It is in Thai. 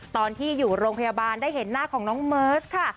ตอนที่อยู่โรงพยาบาลได้เห็นหน้าของน้องเมิร์สค่ะ